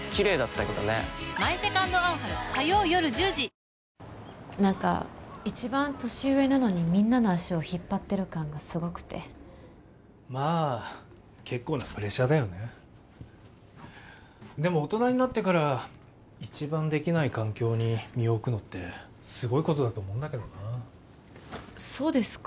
三菱電機何か一番年上なのにみんなの足を引っ張ってる感がすごくてまあ結構なプレッシャーだよねでも大人になってから一番できない環境に身を置くのってすごいことだと思うんだけどなそうですか？